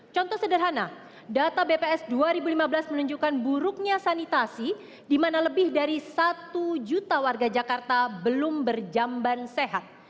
contoh sederhana data bps dua ribu lima belas menunjukkan buruknya sanitasi di mana lebih dari satu juta warga jakarta belum berjamban sehat